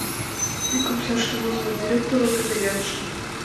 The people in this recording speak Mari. Ик омсаште возымо: «Директорын кабинетше».